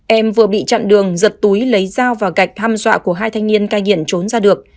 em vừa bị chặn đường giật túi lấy dao và gạch hăm dọa của hai thanh niên cai nghiện trốn ra được